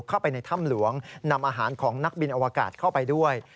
เข้าไปในถ้ำหลวงนำอาหารของนักบินอวกาศเข้าไปด้วย